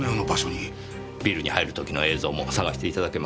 ビルに入る時の映像も探していただけますか。